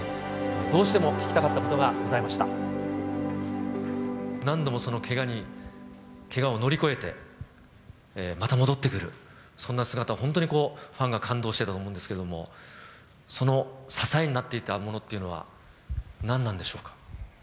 どうしても聞きたかったことがご何度もそのけがに、けがを乗り越えて、また戻ってくる、そんな姿を本当にファンが感動してたと思うんですけど、その支えになっていたものというのは、何なんでしょう？